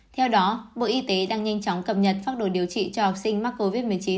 theo đó bộ y tế đang nhanh chóng cập nhật pháp đồ điều trị cho học sinh mắc covid một mươi chín